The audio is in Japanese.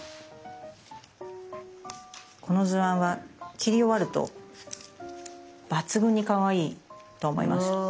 この図案は切り終わると抜群にかわいいと思います。